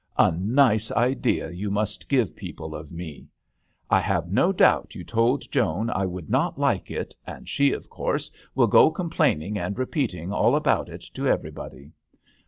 A nice idea yoa must give people of me. I have ^no doubt you told Joan I would not like it, and she, of course, will go complaining and repeat ing all about it to everybody.